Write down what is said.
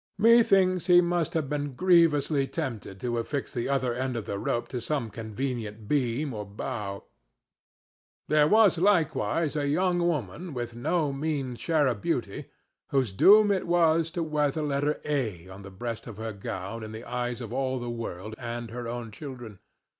Methinks he must have been grievously tempted to affix the other end of the rope to some convenient beam or bough. There was likewise a young woman with no mean share of beauty whose doom it was to wear the letter A on the breast of her gown in the eyes of all the world and her own children.